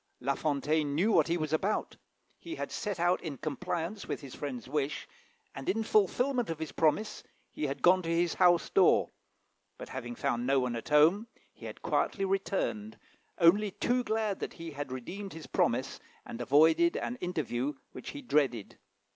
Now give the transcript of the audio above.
La Fontaine knew what he was about. He had set out in compliance with his friend's wish, and, in fulfilment of his promise, he had gone to his house door; but, having found no one at home, he had quietly returned, only too glad that he had redeemed his promise, and avoided an interview which he dreaded.